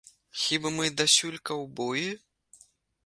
Хіба мы дасюль каўбоі?